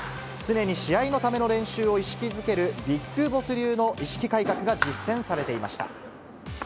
常に試合のための練習を意識づけるビッグボス流の意識改革が実践されていました。